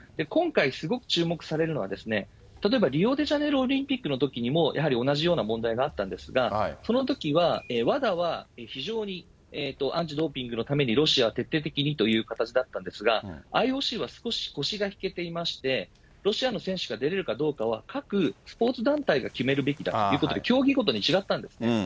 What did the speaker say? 今回、すごく注目されるのは、例えばリオデジャネイロオリンピックのときにも、やはり同じような問題があったんですが、そのときはＷＡＤＡは非常にアンチドーピングのためにロシアを徹底的にという形だったんですが、ＩＯＣは少し腰が引けていまして、ロシアの選手が出れるかどうかは、各スポーツ団体が決めるべきだということで、競技ごとに違ったんですね。